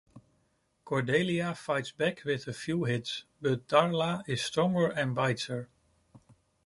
Cordelia fights back with a few hits, but Darla is stronger and bites her.